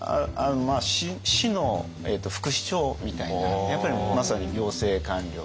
市の副市長みたいなやっぱりまさに行政官僚で。